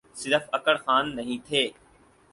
صرف اکڑ خان نہیں تھے۔